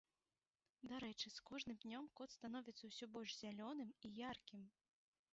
Дарэчы, з кожным днём кот становіцца ўсё больш зялёным і яркім.